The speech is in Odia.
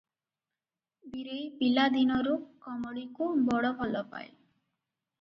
ବୀରେଇ ପିଲା ଦିନରୁ କମଳୀକୁ ବଡ ଭଲ ପାଏ ।